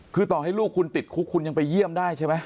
คือต่อให้ลูกคุณติดคุกคุณยังไปเยี่ยมได้ใช่ไหม